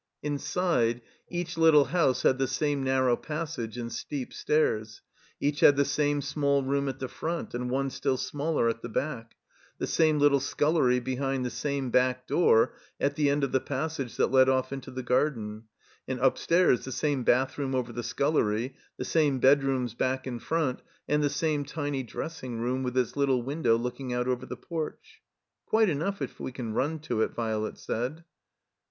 Inside, each little house had the same narrow passage and steep stairs; each had the same small room at the front and one still smaller at the back; the same little sctdlery behind the same back door at the end of the passage that led off into the garden ; and upstairs the same bathroom over the scullery, the same bedrooms back and front, and the same tiny dressing room with its little window looking out over the porch. ( *'Quite enough, if we can run to it," Violet said.